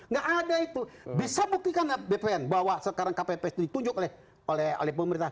nggak ada itu bisa buktikan bpn bahwa sekarang kpps itu ditunjuk oleh pemerintah